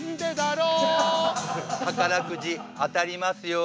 宝くじ当たりますように。